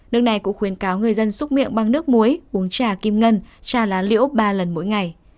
nước này cũng khuyến cáo người dân xúc miệng bằng nước muối uống trà kim ngân trà lá liễu ba lần mỗi ngày